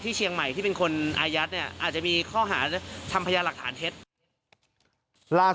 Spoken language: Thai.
เชียงใหม่ที่เป็นคนอายัดเนี่ยอาจจะมีข้อหาทำพยานหลักฐานเท็จ